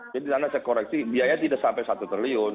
jadi karena saya koreksi biaya tidak sampai satu triliun